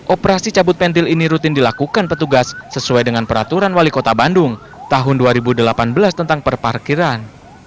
operasi cabut pentil ini rutin dilakukan petugas sesuai dengan peraturan wali kota bandung tahun dua ribu delapan belas tentang perparkiran